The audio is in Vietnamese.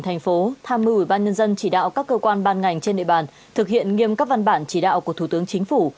thành phố tham mưu ủy ban nhân dân chỉ đạo các cơ quan ban ngành trên địa bàn thực hiện nghiêm các văn bản chỉ đạo của thủ tướng chính phủ